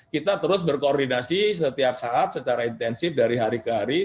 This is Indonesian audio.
kita terus berkoordinasi setiap saat secara intensif dari hari ke hari